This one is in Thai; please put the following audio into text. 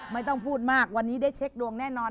ครับแต่วันนี้ได้เช็คดวงแน่นอน